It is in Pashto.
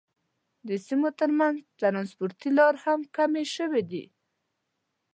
د سیمو تر منځ ترانسپورتي لارې هم کمې شوې دي.